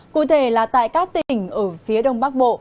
cụ thể là tại các tỉnh ở phía đông bắc bộ